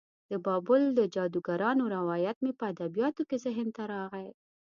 د بابل د جادوګرانو روایت مې په ادبیاتو کې ذهن ته راغی.